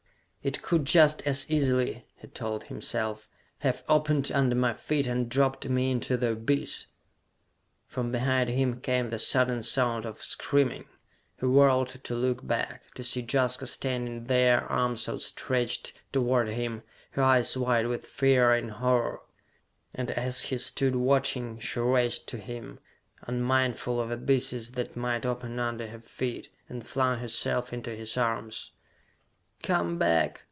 "It could just as easily," he told himself, "have opened under my feet, and dropped me into the abyss!" From behind him came the sudden sound of screaming. He whirled to look back, to see Jaska standing there, arms outstretched toward him, her eyes wide with fear and horror, and as he stood watching, she raced to him, unmindful of abysses that might open under her feet, and flung herself into his arms. "Come back!"